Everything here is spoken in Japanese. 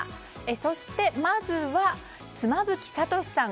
そして、まずは妻夫木聡さん